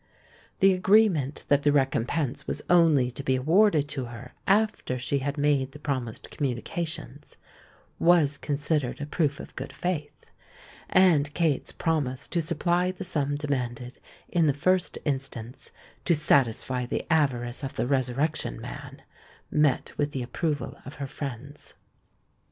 The agreement that the recompense was only to be awarded to her after she had made the promised communications, was considered a proof of good faith; and Kate's promise to supply the sum demanded in the first instance to satisfy the avarice of the Resurrection Man, met with the approval of her friends.